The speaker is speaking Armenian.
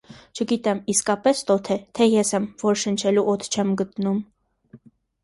- Չգիտեմ, իսկապե՞ս տոթ է, թե ես եմ, որ շնչելու օդ չեմ գտնում: